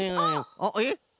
あっえっ？